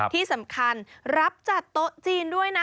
ที่สำคัญรับจัดโต๊ะจีนด้วยนะ